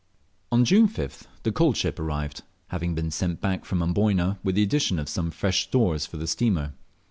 On June 5th, the coal ship arrived, having been sent back from Amboyna, with the addition of some fresh stores for the steamer.